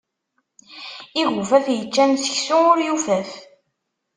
Igufaf yeččan seksu ur yufaf.